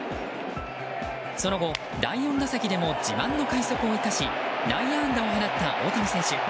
その後、第４打席でも自慢の快足を生かし内野安打を放った大谷選手。